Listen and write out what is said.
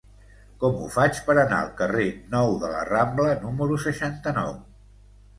Com ho faig per anar al carrer Nou de la Rambla número seixanta-nou?